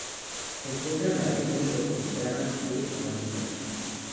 Se encuentra en la Región Metropolitana de Maringá.